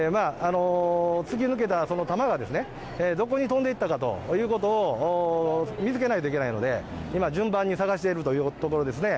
突き抜けた弾がですね、どこに飛んでいったかということを見つけないといけないので、今、順番に捜しているというところですね。